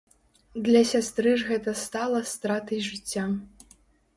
Для сястры ж гэта стала стратай жыцця.